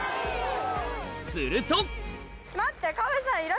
すると待って。